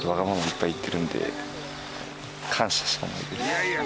いやいや！